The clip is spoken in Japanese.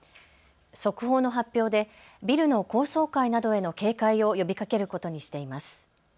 速報の発表でビルの高層階などへの警戒を呼びかけることにしています。